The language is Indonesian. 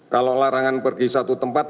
kalau larangan pergi satu tempat